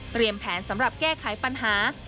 เตรียมแผนสำหรับแก้ไขปัญหา